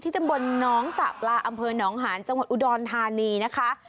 ตำบลน้องสระปลาอำเภอหนองหาญจังหวัดอุดรธานีนะคะ